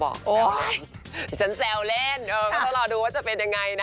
โอ้โอ้โอ้โอ้